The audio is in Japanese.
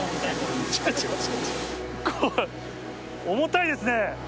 これ、重たいですね。